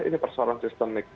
ini persoalan sistemik